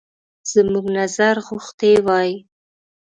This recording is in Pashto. زموږ نظر غوښتی وای.